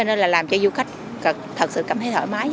nên là làm cho du khách thật sự cảm thấy thoải mái